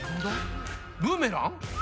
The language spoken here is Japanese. ブーメラン？